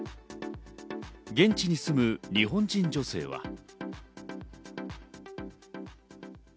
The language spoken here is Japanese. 現地に住む日本人女性は。